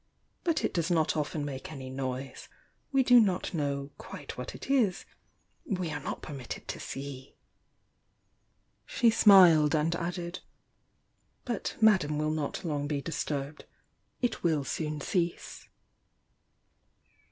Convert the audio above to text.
"But it does not often make any noise. We do not know quite what it is, — we are not permitted to see!" She smiled, and added: "But Madame will not long be disturbed — it will soon cease."